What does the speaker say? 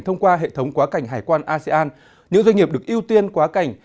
thông qua hệ thống quá cảnh hải quan asean những doanh nghiệp được ưu tiên quá cảnh